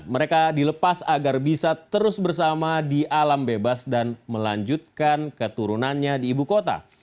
mereka dilepas agar bisa terus bersama di alam bebas dan melanjutkan keturunannya di ibu kota